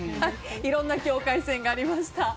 いろんな境界線がありました。